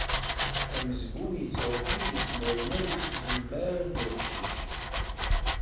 Amezgun yettrebbi yesnernay tizemmar n uqcic.